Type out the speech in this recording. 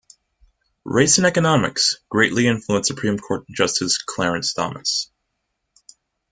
"Race and Economics" greatly influenced Supreme Court Justice Clarence Thomas.